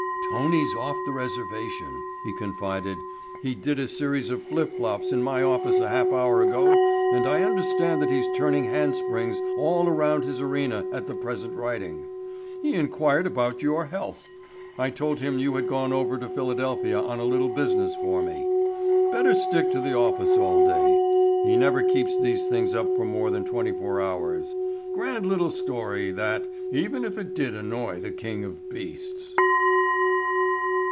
"Tony's off the reservation," he confided. "He did a series of flip flops in my office a half hour ago and I understand that he's turning handsprings all around his arena at the present writing. He inquired about your health. I told him you had gone over to Philadelphia on a little business for me. Better stick to the office all day. He never keeps these things up for more than twenty four hours. Grand little story, that, even if it did annoy the King of Beasts."